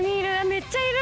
めっちゃいる！